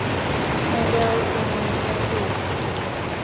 Маўляў, яны нас ратуюць.